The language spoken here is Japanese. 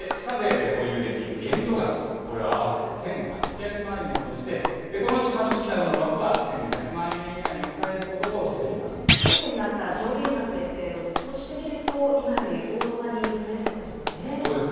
そして非課税で保有できる限度額、これは合わせて１８００万円として、このうち株式などの枠は１２００万円以内に抑えることとして焦点だった上限額ですけれども、こうして見ると今より大幅に増えるわけですね。